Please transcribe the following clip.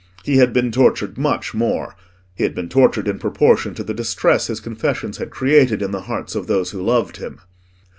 He had been tortured much more; he had been tortured in proportion to the distress his confessions had created in the hearts of those who loved him.